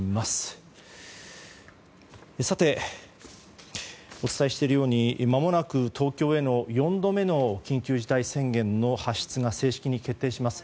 さて、お伝えしていますようにまもなく東京への４度目の緊急事態宣言の発出が正式に決定します。